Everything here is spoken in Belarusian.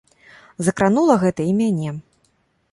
Закранула гэта і мяне.